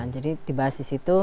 jadi dibahas di situ